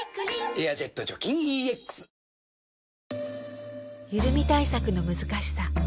「エアジェット除菌 ＥＸ」ゆるみ対策の難しさ